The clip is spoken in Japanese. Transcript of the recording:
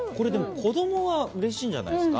子供はうれしいんじゃないですか？